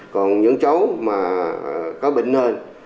còn những cháu mà có bệnh nền